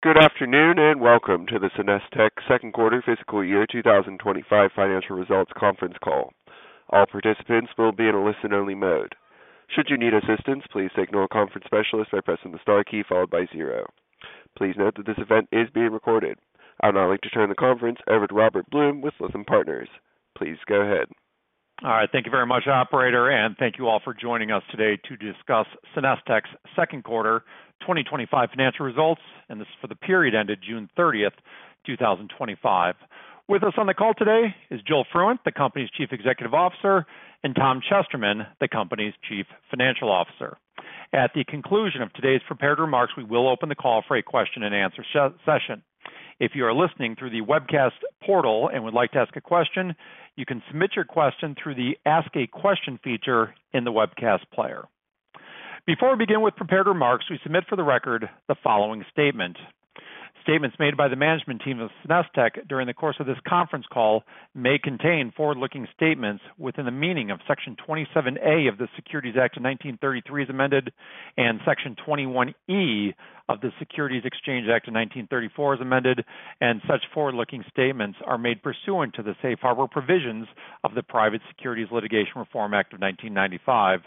Good afternoon and welcome to the SenesTech Second Quarter Fiscal Year 2025 Financial Results Conference Call. All participants will be in a listen-only mode. Should you need assistance, please signal a conference specialist by pressing the star key followed by zero. Please note that this event is being recorded. I would now like to turn the conference over to Robert Blum with Lytham Partners. Please go ahead. All right, thank you very much, Operator, and thank you all for joining us today to discuss SenesTech's second quarter 2025 financial results, and this is for the period ended June 30th, 2025. With us on the call today is Joel Fruendt, the company's Chief Executive Officer, and Tom Chesterman, the company's Chief Financial Officer. At the conclusion of today's prepared remarks, we will open the call for a question and answer session. If you are listening through the webcast portal and would like to ask a question, you can submit your question through the Ask a Question feature in the webcast player. Before we begin with prepared remarks, we submit for the record the following statement. Statements made by the management team of SenesTech during the course of this conference call may contain forward-looking statements within the meaning of Section 27A of the Securities Act of 1933 as amended, and Section 21E of the Securities Exchange Act of 1934 as amended, and such forward-looking statements are made pursuant to the safe harbor provisions of the Private Securities Litigation Reform Act of 1995.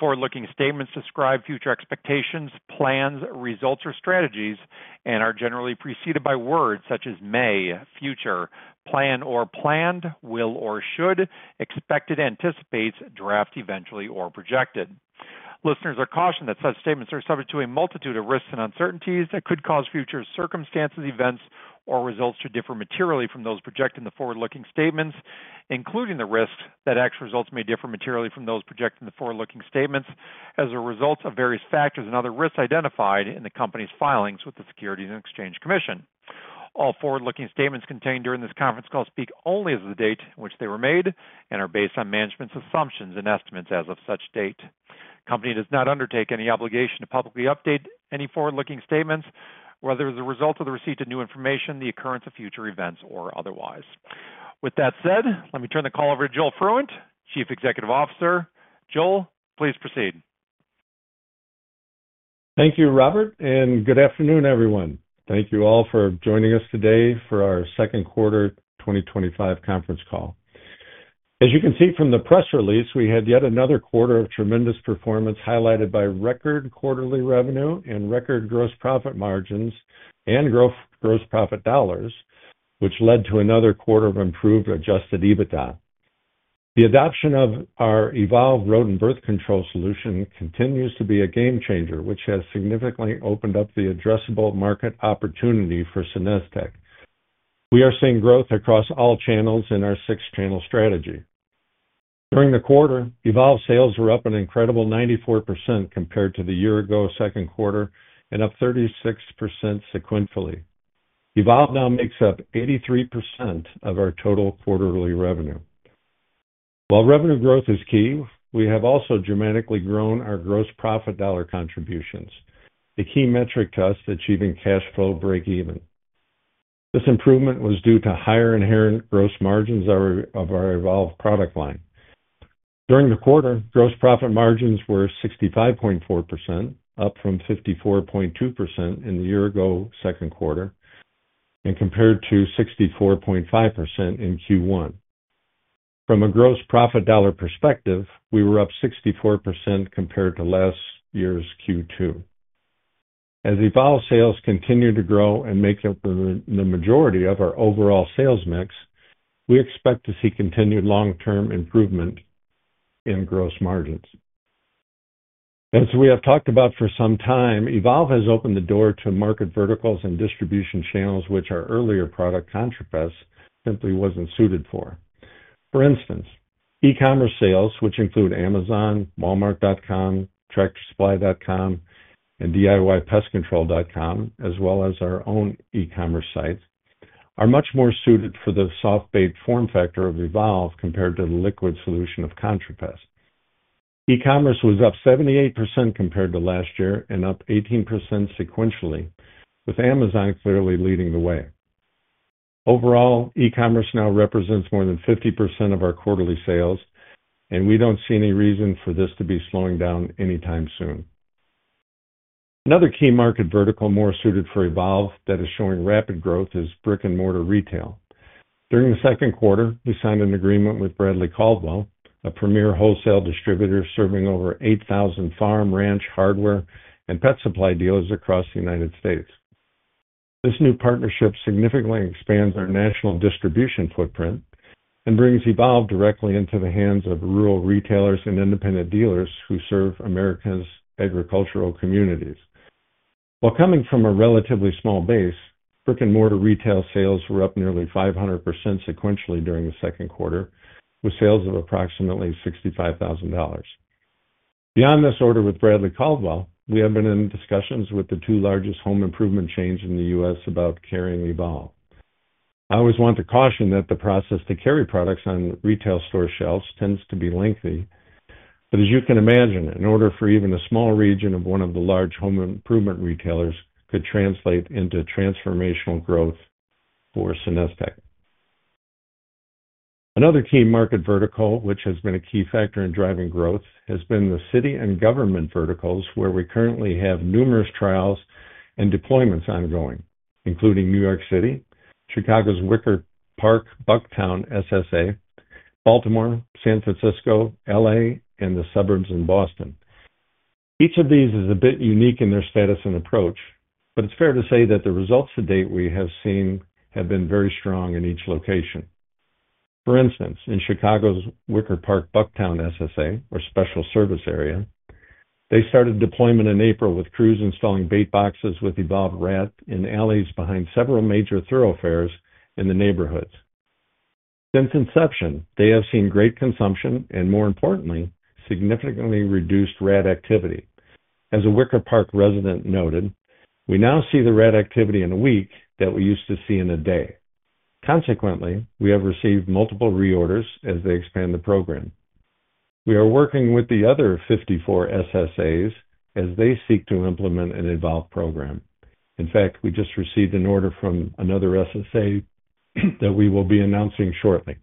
Forward-looking statements describe future expectations, plans, results, or strategies, and are generally preceded by words such as may, future, plan or planned, will or should, expected, anticipates, draft, eventually, or projected. Listeners are cautioned that such statements are subject to a multitude of risks and uncertainties that could cause future circumstances, events, or results to differ materially from those projected in the forward-looking statements, including the risks that results may differ materially from those projected in the forward-looking statements as a result of various factors and other risks identified in the company's filings with the Securities and Exchange Commission. All forward-looking statements contained during this conference call speak only as of the date on which they were made and are based on management's assumptions and estimates as of such date. The company does not undertake any obligation to publicly update any forward-looking statements whether as a result of the receipt of new information, the occurrence of future events, or otherwise. With that said, let me turn the call over to Joel Fruendt, Chief Executive Officer. Joel, please proceed. Thank you, Robert, and good afternoon, everyone. Thank you all for joining us today for our second quarter 2025 conference call. As you can see from the press release, we had yet another quarter of tremendous performance highlighted by record quarterly revenue and record gross profit margins and gross profit dollars, which led to another quarter of improved adjusted EBITDA. The adoption of our Evolve rodent birth control solution continues to be a game changer, which has significantly opened up the addressable market opportunity for SenesTech. We are seeing growth across all channels in our six-channel strategy. During the quarter, Evolve sales were up an incredible 94% compared to the year ago second quarter and up 36% sequentially. Evolve now makes up 83% of our total quarterly revenue. While revenue growth is key, we have also dramatically grown our gross profit dollar contributions, a key metric to us achieving cash flow break even. This improvement was due to higher inherent gross margins of our Evolve product line. During the quarter, gross profit margins were 65.4%, up from 54.2% in the year ago second quarter, and compared to 64.5% in Q1. From a gross profit dollar perspective, we were up 64% compared to last year's Q2. As Evolve sales continue to grow and make up the majority of our overall sales mix, we expect to see continued long-term improvement in gross margins. As we have talked about for some time, Evolve has opened the door to market verticals and distribution channels, which our earlier product ContraPest simply wasn't suited for. For instance, e-commerce sales, which include Amazon, Walmart.com, TrekSupply.com, and DIYPestControl.com, as well as our own e-commerce sites, are much more suited for the soft-based form factor of Evolve compared to the liquid solution of ContraPest. E-commerce was up 78% compared to last year and up 18% sequentially, with Amazon clearly leading the way. Overall, e-commerce now represents more than 50% of our quarterly sales, and we don't see any reason for this to be slowing down anytime soon. Another key market vertical more suited for Evolve that is showing rapid growth is brick and mortar retail. During the second quarter, we signed an agreement with Bradley Caldwell, a premier wholesale distributor serving over 8,000 farm, ranch, hardware, and pet supply dealers across the United States. This new partnership significantly expands our national distribution footprint and brings Evolve directly into the hands of rural retailers and independent dealers who serve America's agricultural communities. While coming from a relatively small base, brick and mortar retail sales were up nearly 500% sequentially during the second quarter, with sales of approximately $65,000. Beyond this order with Bradley Caldwell, we have been in discussions with the two largest home improvement chains in the U.S. about carrying Evolve. I always want to caution that the process to carry products on retail store shelves tends to be lengthy, but as you can imagine, an order for even a small region of one of the large home improvement retailers could translate into transformational growth for SenesTech. Another key market vertical, which has been a key factor in driving growth, has been the city and government verticals where we currently have numerous trials and deployments ongoing, including New York City, Chicago's Wicker Park, Bucktown, SSA, Baltimore, San Francisco, Los Angeles, and the suburbs in Boston. Each of these is a bit unique in their status and approach, but it's fair to say that the results to date we have seen have been very strong in each location. For instance, in Chicago's Wicker Park, Bucktown, SSA, or Special Service Area, they started deployment in April with crews installing bait boxes with Evolve Rat in alleys behind several major thoroughfares in the neighborhoods. Since inception, they have seen great consumption and, more importantly, significantly reduced rat activity. As a Wicker Park resident noted, we now see the rat activity in a week that we used to see in a day. Consequently, we have received multiple reorders as they expand the program. We are working with the other 54 SSAs as they seek to implement an Evolve program. In fact, we just received an order from another SSA that we will be announcing shortly.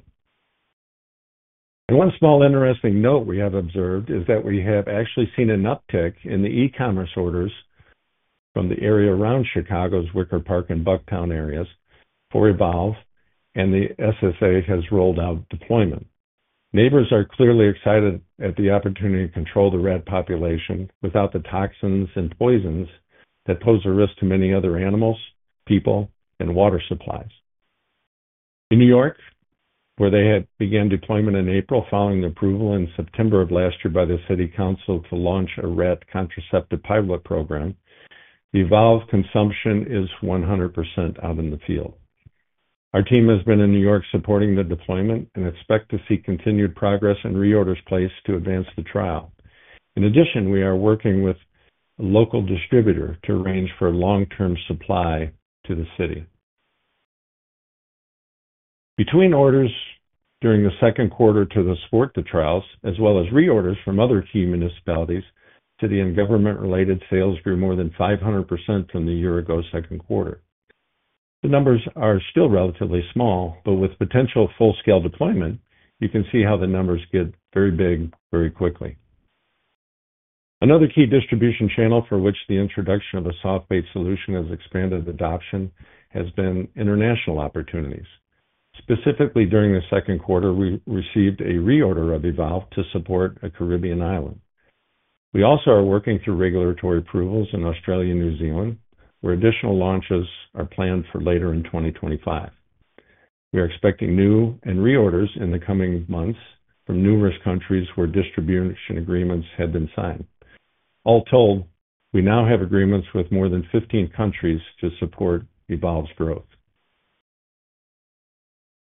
One small interesting note we have observed is that we have actually seen an uptick in the e-commerce orders from the area around Chicago's Wicker Park and Bucktown areas for Evolve, and the SSA has rolled out deployment. Neighbors are clearly excited at the opportunity to control the rat population without the toxins and poisons that pose a risk to many other animals, people, and water supplies. In New York, where they had begun deployment in April following the approval in September of last year by the City Council to launch a rat contraceptive pilot program, the Evolve consumption is 100% out in the field. Our team has been in New York supporting the deployment and expect to see continued progress and reorders placed to advance the trial. In addition, we are working with a local distributor to arrange for long-term supply to the city. Between orders during the second quarter to support the trials, as well as reorders from other key municipalities, city and government-related sales grew more than 500% from the year ago second quarter. The numbers are still relatively small, but with potential full-scale deployment, you can see how the numbers get very big very quickly. Another key distribution channel for which the introduction of a soft-based solution has expanded adoption has been international opportunities. Specifically, during the second quarter, we received a reorder of Evolve to support a Caribbean island. We also are working through regulatory approvals in Australia and New Zealand, where additional launches are planned for later in 2025. We are expecting new and reorders in the coming months from numerous countries where distribution agreements have been signed. All told, we now have agreements with more than 15 countries to support Evolve's growth.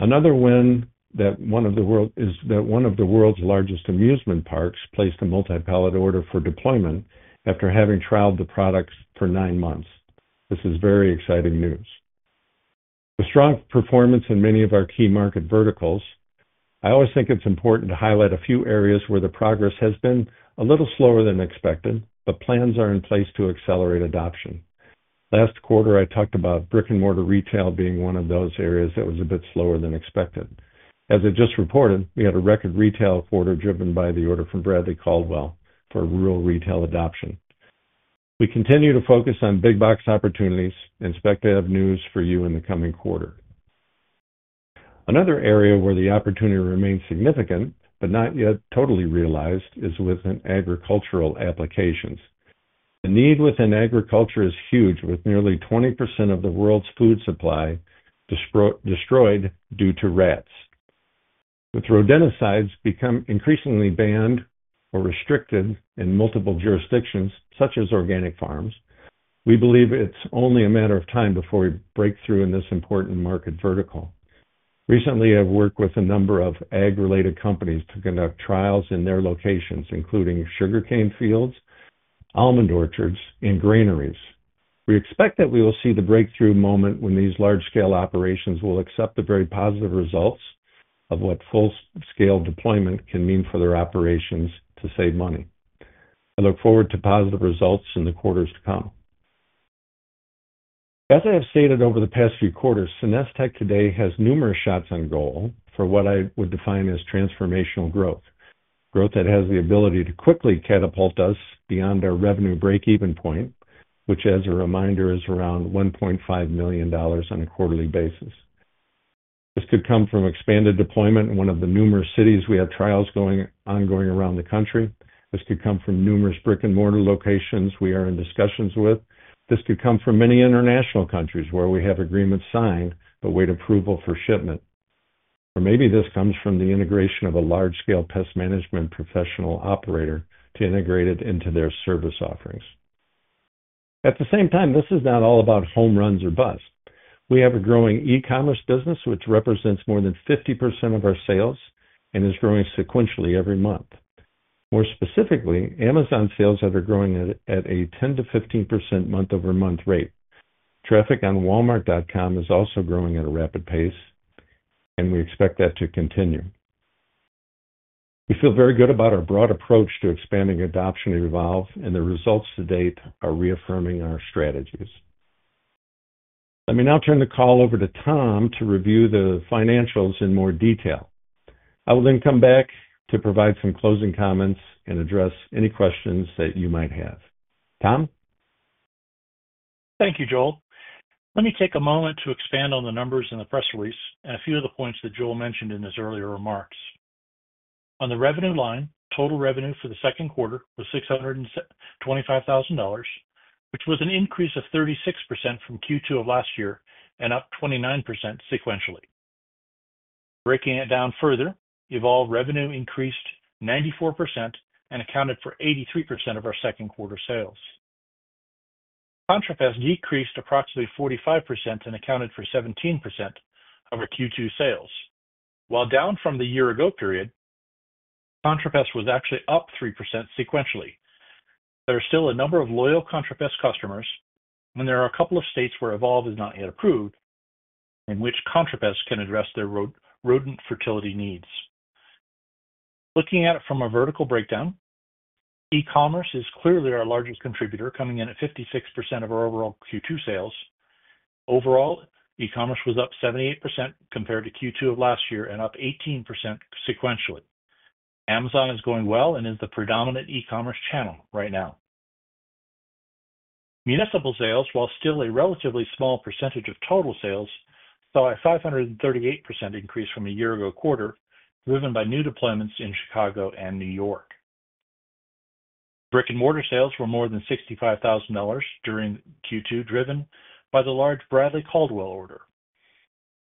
Another win is that one of the world's largest amusement parks placed a multi-pallet order for deployment after having trialed the products for nine months. This is very exciting news. With strong performance in many of our key market verticals, I always think it's important to highlight a few areas where the progress has been a little slower than expected, but plans are in place to accelerate adoption. Last quarter, I talked about brick and mortar retail being one of those areas that was a bit slower than expected. As I just reported, we had a record retail quarter driven by the order from Bradley Caldwell for rural retail adoption. We continue to focus on big box opportunities and expect to have news for you in the coming quarter. Another area where the opportunity remains significant, but not yet totally realized, is within agricultural applications. The need within agriculture is huge, with nearly 20% of the world's food supply destroyed due to rats. With rodenticides becoming increasingly banned or restricted in multiple jurisdictions, such as organic farms, we believe it's only a matter of time before we break through in this important market vertical. Recently, I've worked with a number of ag-related companies to conduct trials in their locations, including sugarcane fields, almond orchards, and granaries. We expect that we will see the breakthrough moment when these large-scale operations will accept the very positive results of what full-scale deployment can mean for their operations to save money. I look forward to positive results in the quarters to come. As I have stated over the past few quarters, SenesTech today has numerous shots on goal for what I would define as transformational growth. Growth that has the ability to quickly catapult us beyond our revenue break-even point, which, as a reminder, is around $1.5 million on a quarterly basis. This could come from expanded deployment in one of the numerous cities we have trials going on around the country. This could come from numerous brick and mortar locations we are in discussions with. This could come from many international countries where we have agreements signed but wait approval for shipment. Maybe this comes from the integration of a large-scale pest management professional operator to integrate it into their service offerings. At the same time, this is not all about home runs or bust. We have a growing e-commerce business, which represents more than 50% of our sales and is growing sequentially every month. More specifically, Amazon sales that are growing at a 10%-15% month-over-month rate. Traffic on Walmart.com is also growing at a rapid pace, and we expect that to continue. We feel very good about our broad approach to expanding adoption of Evolve, and the results to date are reaffirming our strategies. Let me now turn the call over to Tom to review the financials in more detail. I will then come back to provide some closing comments and address any questions that you might have. Tom? Thank you, Joel. Let me take a moment to expand on the numbers in the press release and a few of the points that Joel mentioned in his earlier remarks. On the revenue line, total revenue for the second quarter was $625,000, which was an increase of 36% from Q2 of last year and up 29% sequentially. Breaking it down further, Evolve revenue increased 94% and accounted for 83% of our second quarter sales. ContraPest decreased approximately 45% and accounted for 17% of our Q2 sales. While down from the year-ago period, ContraPest was actually up 3% sequentially. There are still a number of loyal ContraPest customers, and there are a couple of states where Evolve is not yet approved in which ContraPest can address their rodent fertility needs. Looking at it from a vertical breakdown, e-commerce is clearly our largest contributor, coming in at 56% of our overall Q2 sales. Overall, e-commerce was up 78% compared to Q2 of last year and up 18% sequentially. Amazon is going well and is the predominant e-commerce channel right now. Municipal sales, while still a relatively small percentage of total sales, saw a 538% increase from a year-ago quarter, driven by new deployments in Chicago and New York. Brick and mortar sales were more than $65,000 during Q2, driven by the large Bradley Caldwell.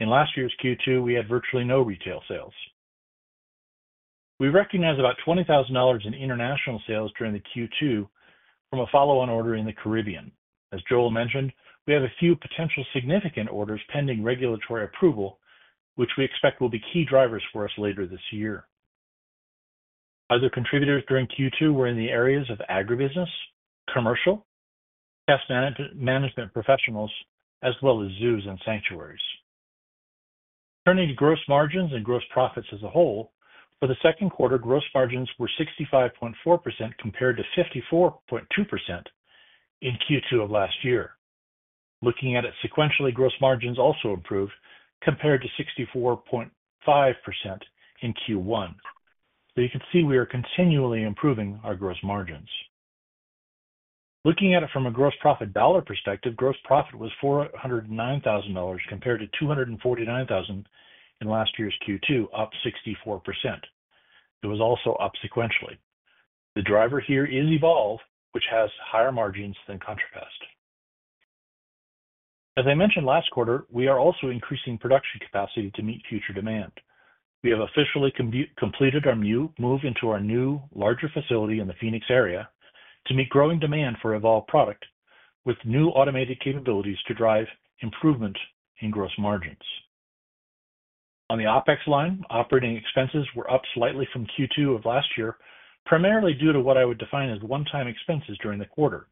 In last year's Q2, we had virtually no retail sales. We recognize about $20,000 in international sales during the Q2 from a follow-on order in the Caribbean. As Joel mentioned, we have a few potential significant orders pending regulatory approval, which we expect will be key drivers for us later this year. Other contributors during Q2 were in the areas of agribusiness, commercial, pest management professionals, as well as zoos and sanctuaries. Turning to gross margins and gross profits as a whole, for the second quarter, gross margins were 65.4% compared to 54.2% in Q2 of last year. Looking at it sequentially, gross margins also improved compared to 64.5% in Q1. You can see we are continually improving our gross margins. Looking at it from a gross profit dollar perspective, gross profit was $409,000 compared to $249,000 in last year's Q2, up 64%. It was also up sequentially. The driver here is Evolve, which has higher margins than ContraPest. As I mentioned last quarter, we are also increasing production capacity to meet future demand. We have officially completed our move into our new larger facility in the Phoenix area to meet growing demand for Evolve product, with new automated capabilities to drive improvement in gross margins. On the OpEx line, operating expenses were up slightly from Q2 of last year, primarily due to what I would define as one-time expenses during the quarter.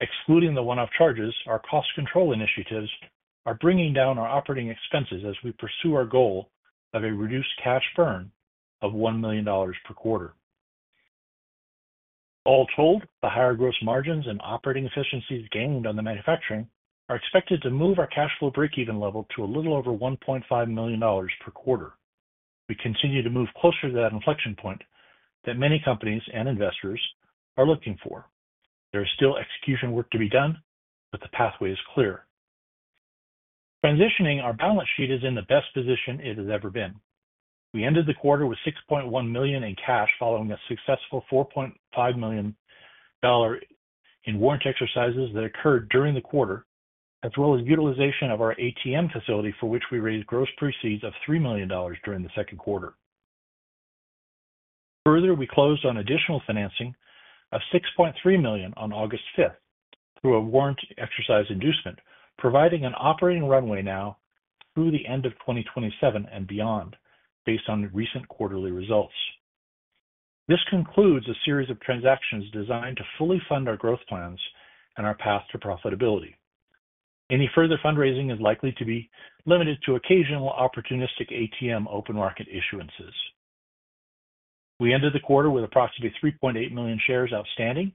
Excluding the one-off charges, our cost control initiatives are bringing down our operating expenses as we pursue our goal of a reduced cash burn of $1 million per quarter. All told, the higher gross margins and operating efficiencies gained on the manufacturing are expected to move our cash flow break-even level to a little over $1.5 million per quarter. We continue to move closer to that inflection point that many companies and investors are looking for. There is still execution work to be done, but the pathway is clear. Transitioning, our balance sheet is in the best position it has ever been. We ended the quarter with $6.1 million in cash following a successful $4.5 million in warrant exercises that occurred during the quarter, as well as utilization of our ATM facility for which we raised gross proceeds of $3 million during the second quarter. Further, we closed on additional financing of $6.3 million on August 5th through a warrant exercise inducement, providing an operational runway now through the end of 2027 and beyond, based on recent quarterly results. This concludes a series of transactions designed to fully fund our growth plans and our path to profitability. Any further fundraising is likely to be limited to occasional opportunistic ATM open market issuances. We ended the quarter with approximately 3.8 million shares outstanding.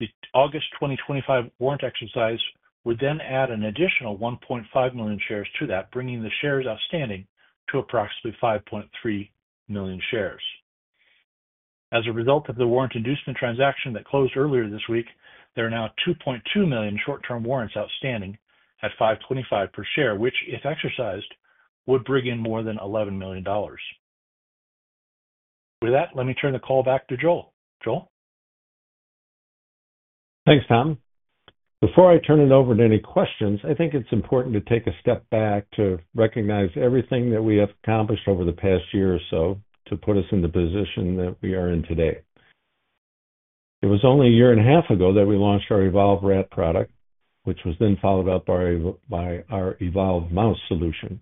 The August 2025 warrant exercise would then add an additional 1.5 million shares to that, bringing the shares outstanding to approximately 5.3 million shares. As a result of the warrant inducement transaction that closed earlier this week, there are now 2.2 million short-term warrants outstanding at $5.25 per share, which, if exercised, would bring in more than $11 million. With that, let me turn the call back to Joel. Joel? Thanks, Tom. Before I turn it over to any questions, I think it's important to take a step back to recognize everything that we have accomplished over the past year or so to put us in the position that we are in today. It was only a year and a half ago that we launched our Evolve Rat product, which was then followed up by our Evolve Mouse solution.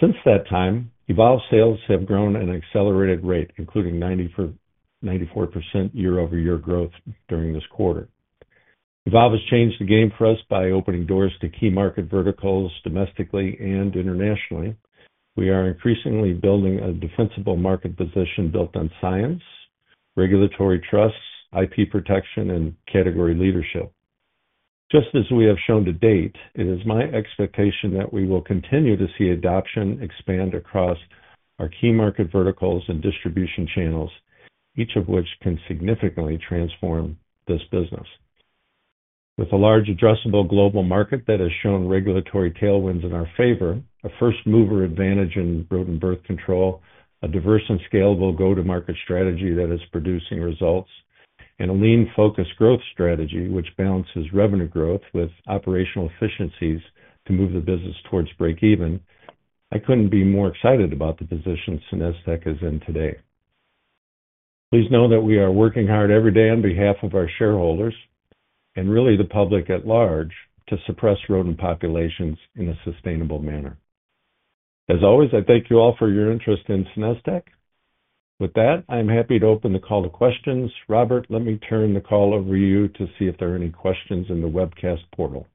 Since that time, Evolve sales have grown at an accelerated rate, including 94% year-over-year growth during this quarter. Evolve has changed the game for us by opening doors to key market verticals domestically and internationally. We are increasingly building a defensible market position built on science, regulatory trust, IP protection, and category leadership. Just as we have shown to date, it is my expectation that we will continue to see adoption expand across our key market verticals and distribution channels, each of which can significantly transform this business. With a large addressable global market that has shown regulatory tailwinds in our favor, a first-mover advantage in rodent birth control, a diverse and scalable go-to-market strategy that is producing results, and a lean focused growth strategy which balances revenue growth with operational efficiencies to move the business towards break-even, I couldn't be more excited about the position SenesTech is in today. Please know that we are working hard every day on behalf of our shareholders and really the public at large to suppress rodent populations in a sustainable manner. As always, I thank you all for your interest in SenesTech. With that, I'm happy to open the call to questions. Robert, let me turn the call over to you to see if there are any questions in the webcast portal.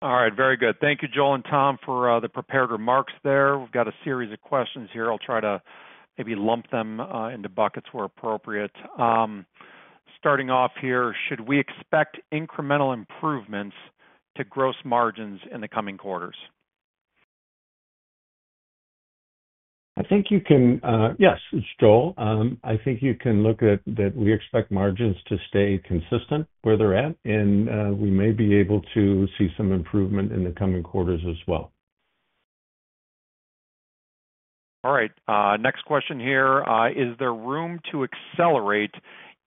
All right, very good. Thank you, Joel and Tom, for the prepared remarks there. We've got a series of questions here. I'll try to maybe lump them into buckets where appropriate. Starting off here, should we expect incremental improvements to gross profit margins in the coming quarters? I think you can, yes, Joel, I think you can look at that. We expect margins to stay consistent where they're at, and we may be able to see some improvement in the coming quarters as well. All right, next question here. Is there room to accelerate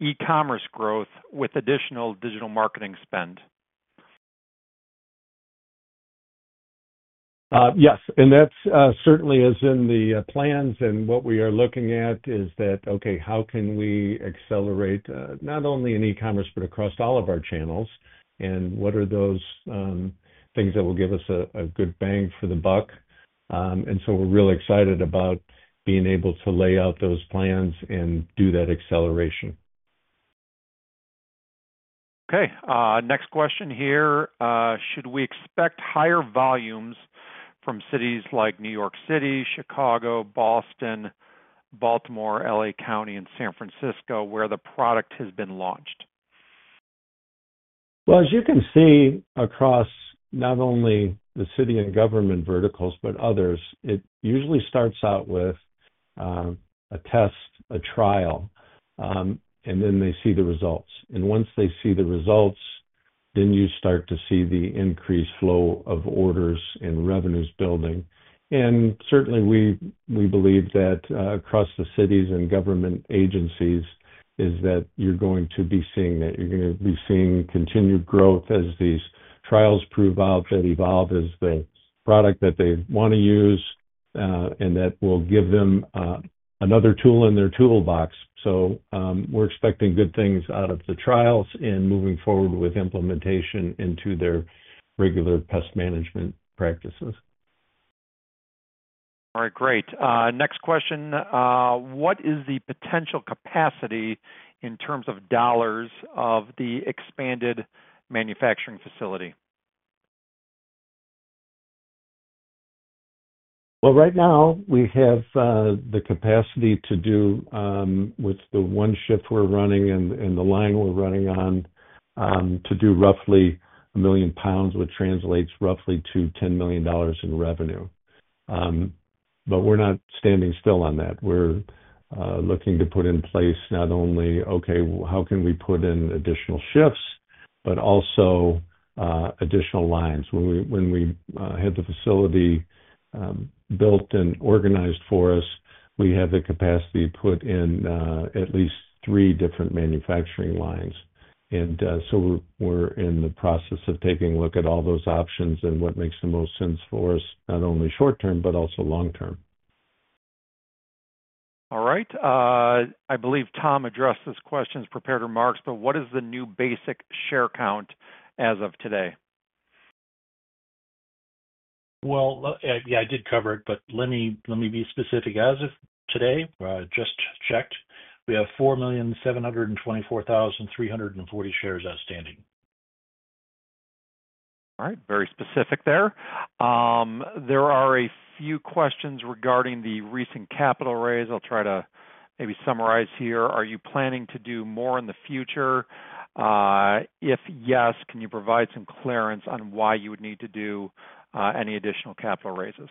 e-commerce growth with additional digital marketing spend? Yes, that certainly is in the plans. What we are looking at is how can we accelerate not only in e-commerce but across all of our channels, and what are those things that will give us a good bang for the buck. We're really excited about being able to lay out those plans and do that acceleration. Okay, next question here. Should we expect higher volumes from cities like New York City, Chicago, Boston, Baltimore, L.A. County, and San Francisco where the product has been launched? As you can see across not only the city and government verticals but others, it usually starts out with a test, a trial, and then they see the results. Once they see the results, you start to see the increased flow of orders and revenues building. Certainly, we believe that across the cities and government agencies you're going to be seeing that. You're going to be seeing continued growth as these trials prove out that Evolve is the product that they want to use and that will give them another tool in their toolbox. We're expecting good things out of the trials and moving forward with implementation into their regular pest management practices. All right, great. Next question. What is the potential capacity in terms of dollars of the expanded manufacturing facility? Right now we have the capacity to do, with the one shift we're running and the line we're running on, to do roughly a million pounds, which translates roughly to $10 million in revenue. We're not standing still on that. We're looking to put in place not only, okay, how can we put in additional shifts, but also additional lines. When we had the facility built and organized for us, we have the capacity to put in at least three different manufacturing lines. We're in the process of taking a look at all those options and what makes the most sense for us, not only short term, but also long term. All right. I believe Tom addressed this question in his prepared remarks, but what is the new basic share count as of today? Yes, I did cover it, but let me be specific. As of today, I just checked, we have 4,724,340 shares outstanding. All right, very specific there. There are a few questions regarding the recent capital raise. I'll try to maybe summarize here. Are you planning to do more in the future? If yes, can you provide some clearance on why you would need to do any additional capital raises?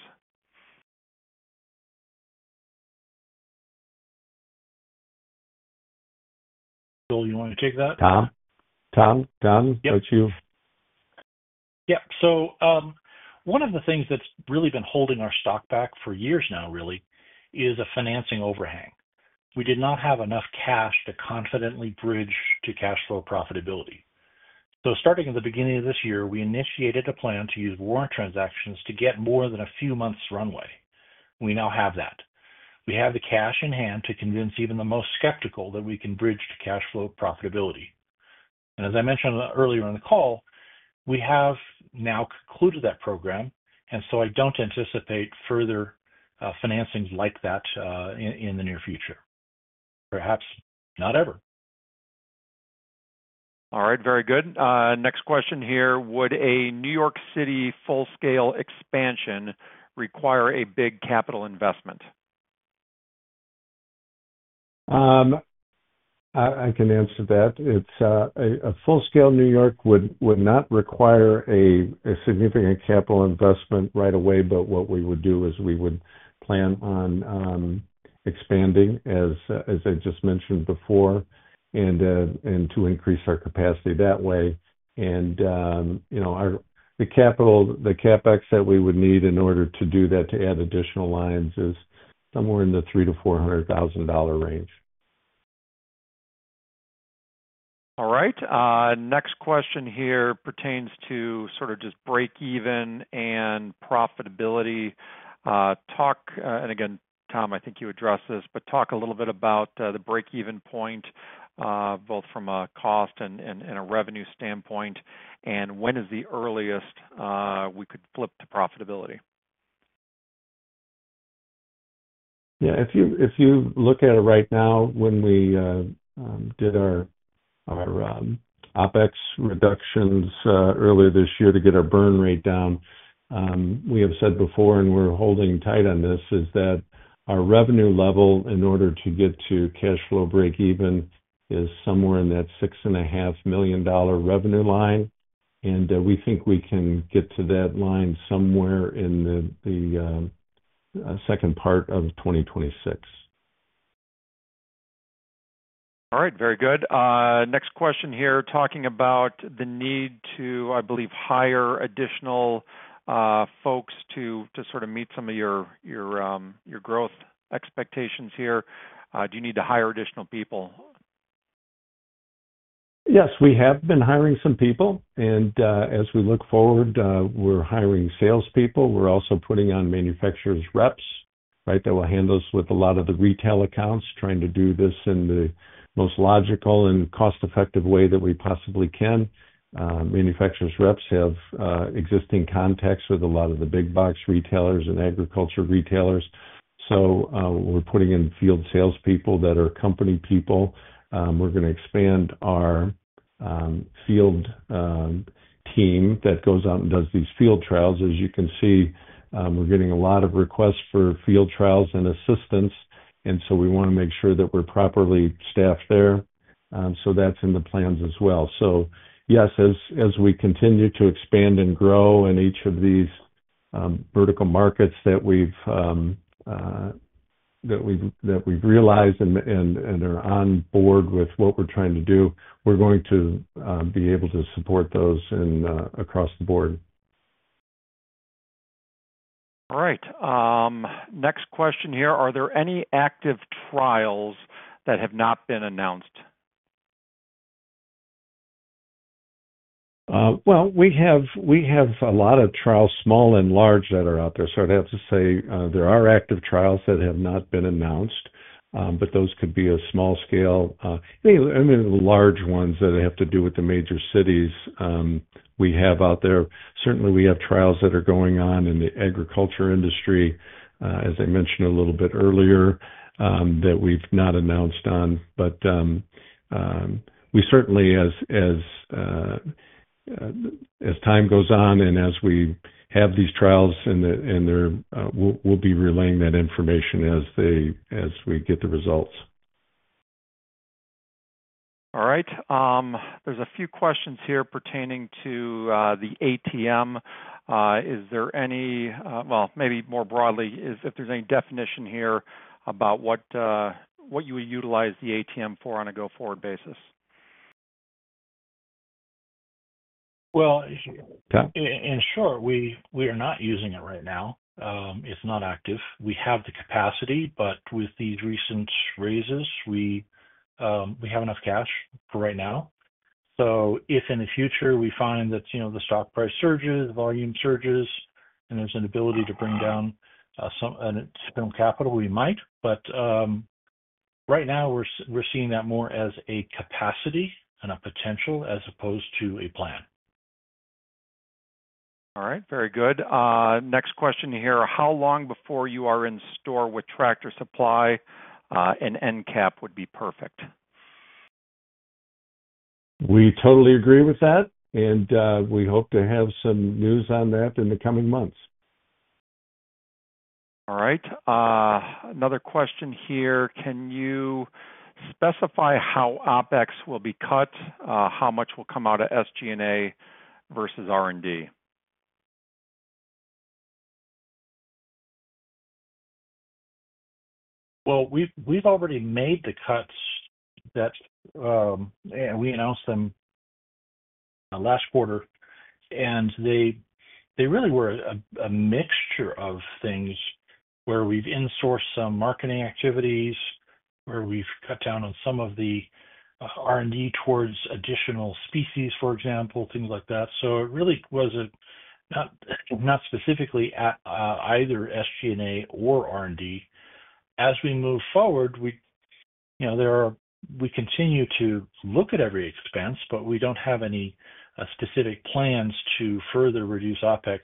Joel, you want to take that? Tom? Tom, Joel, what you... Yep, one of the things that's really been holding our stock back for years now is a financing overhang. We did not have enough cash to confidently bridge to cash flow profitability. Starting at the beginning of this year, we initiated a plan to use warrant transactions to get more than a few months' runway. We now have that. We have the cash in hand to convince even the most skeptical that we can bridge to cash flow profitability. As I mentioned earlier in the call, we have now concluded that program, and I don't anticipate further financing like that in the near future. Perhaps not ever. All right, very good. Next question here. Would a New York City full-scale expansion require a big capital investment? I can answer that. A full-scale New York would not require a significant capital investment right away. We would plan on expanding, as I just mentioned before, to increase our capacity that way. The capital, the CapEx that we would need in order to do that, to add additional lines, is somewhere in the $300,000-$400,000 range. All right. Next question here pertains to sort of just break-even and profitability. Tom, I think you addressed this, but talk a little bit about the break-even point, both from a cost and a revenue standpoint, and when is the earliest we could flip to profitability? Yeah, if you look at it right now, when we did our OpEx reductions earlier this year to get our burn rate down, we have said before, and we're holding tight on this, is that our revenue level in order to get to cash flow break-even is somewhere in that $6.5 million revenue line. We think we can get to that line somewhere in the second part of 2026. All right, very good. Next question here, talking about the need to, I believe, hire additional folks to sort of meet some of your growth expectations here. Do you need to hire additional people? Yes, we have been hiring some people, and as we look forward, we're hiring salespeople. We're also putting on manufacturers' reps, right, that will handle us with a lot of the retail accounts, trying to do this in the most logical and cost-effective way that we possibly can. Manufacturers' reps have existing contacts with a lot of the big box retailers and agriculture retailers. We're putting in field salespeople that are company people. We're going to expand our field team that goes out and does these field trials. As you can see, we're getting a lot of requests for field trials and assistance, and we want to make sure that we're properly staffed there. That's in the plans as well. Yes, as we continue to expand and grow in each of these vertical markets that we've realized and are on board with what we're trying to do, we're going to be able to support those across the board. All right. Next question here: Are there any active trials that have not been announced? We have a lot of trials, small and large, that are out there. I'd have to say there are active trials that have not been announced, but those could be small scale. The large ones that have to do with the major cities we have out there. Certainly, we have trials that are going on in the agriculture industry, as I mentioned a little bit earlier, that we've not announced on. We certainly, as time goes on and as we have these trials, we'll be relaying that information as we get the results. All right. There are a few questions here pertaining to the ATM. Is there any, maybe more broadly, if there's any definition here about what you would utilize the ATM for on a go-forward basis? We are not using it right now. It's not active. We have the capacity, but with these recent raises, we have enough cash for right now. If in the future we find that the stock price surges, volume surges, and there's an ability to bring down some capital we might, but right now we're seeing that more as a capacity and a potential as opposed to a plan. All right, very good. Next question here. How long before you are in store with Tractor Supply? An end cap would be perfect. We totally agree with that, and we hope to have some news on that in the coming months. All right. Another question here. Can you specify how OpEx will be cut, how much will come out of SG&A versus R&D? We've already made the cuts that we announced last quarter, and they really were a mixture of things where we've insourced some marketing activities, where we've cut down on some of the R&D towards additional species, for example, things like that. It really was not specifically at either SG&A or R&D. As we move forward, we continue to look at every expense, but we don't have any specific plans to further reduce OpEx.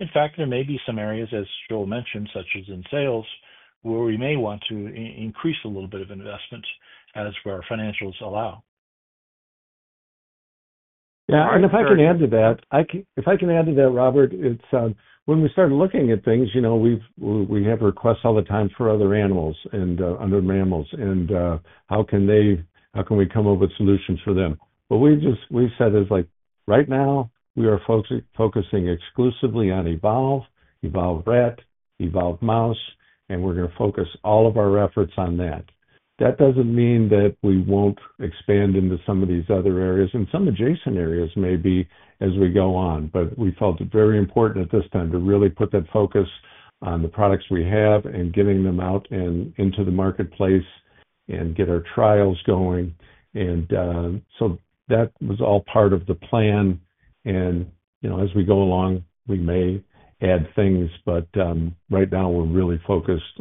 In fact, there may be some areas, as Joel mentioned, such as in sales, where we may want to increase a little bit of investment as our financials allow. Yeah. If I can add to that, Robert, it's when we start looking at things, you know, we have requests all the time for other animals and other mammals, and how can they, how can we come up with solutions for them? What we just, we've said is like right now we are focusing exclusively on Evolve, Evolve Rat, Evolve Mouse, and we're going to focus all of our efforts on that. That doesn't mean that we won't expand into some of these other areas, and some adjacent areas maybe as we go on, but we felt it very important at this time to really put that focus on the products we have and getting them out and into the marketplace and get our trials going. That was all part of the plan, and you know, as we go along, we may add things, but right now we're really focused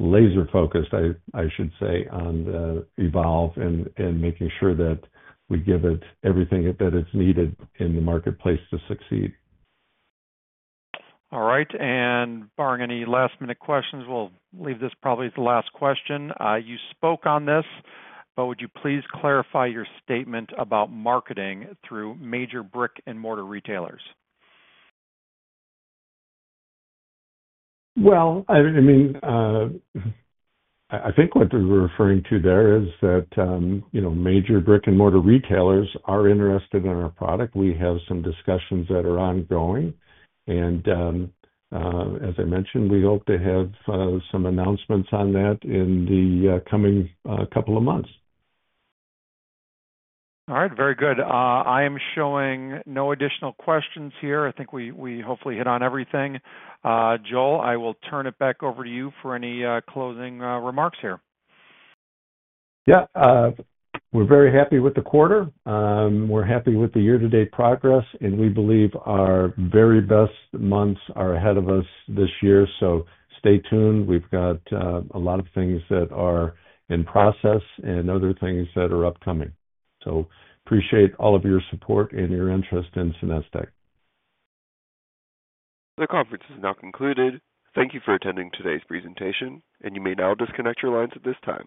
on, laser-focused, I should say, on the Evolve and making sure that we give it everything that is needed in the marketplace to succeed. All right, barring any last-minute questions, we'll leave this as probably the last question. You spoke on this, but would you please clarify your statement about marketing through major brick and mortar retailers? I think what we were referring to there is that, you know, major brick and mortar retailers are interested in our product. We have some discussions that are ongoing, and as I mentioned, we hope to have some announcements on that in the coming couple of months. All right, very good. I am showing no additional questions here. I think we hopefully hit on everything. Joel, I will turn it back over to you for any closing remarks here. Yeah, we're very happy with the quarter. We're happy with the year-to-date progress, and we believe our very best months are ahead of us this year. Stay tuned. We've got a lot of things that are in process and other things that are upcoming. Appreciate all of your support and your interest in SenesTech. The conference is now concluded. Thank you for attending today's presentation, and you may now disconnect your lines at this time.